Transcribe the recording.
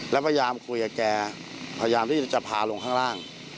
แล้วพยายามคุยกับแกพยายามที่จะพาลงข้างล่าง